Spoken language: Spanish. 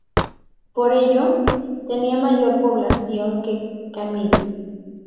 Por ello, tenía mayor población que Camiri.